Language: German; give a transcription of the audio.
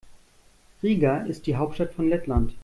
Riga ist die Hauptstadt von Lettland.